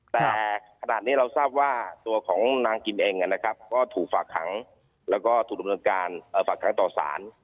แต่ขนาดนี้เราทราบว่าตัวของนางกินเองนะครับก็ถูกฝากขังแล้วก็ถูกดำเนินการฝากขังต่อสาร